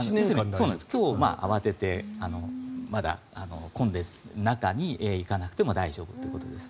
今日慌ててまだ混んでる中に行かなくても大丈夫ということです。